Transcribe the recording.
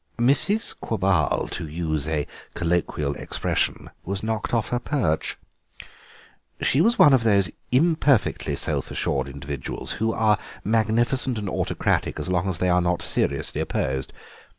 Mrs. Quabarl, to use a colloquial expression, was knocked off her perch. She was one of those imperfectly self assured individuals who are magnificent and autocratic as long as they are not seriously opposed.